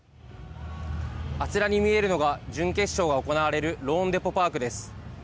あちらに見えるのが、準決勝が行われるローンデポ・パークです。